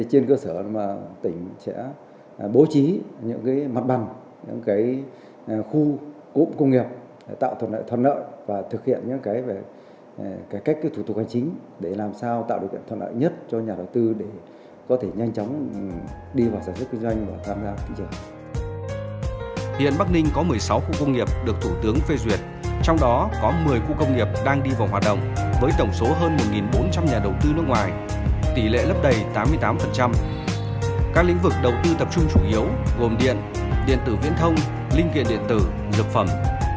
các lĩnh vực đầu tư tập trung chủ yếu gồm điện điện tử viễn thông linh kiện điện tử dược phẩm